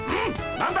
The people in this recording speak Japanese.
何だ？